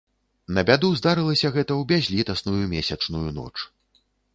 На бяду, здарылася гэта ў бязлітасную месячную ноч.